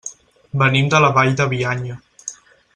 Venim de la Vall de Bianya.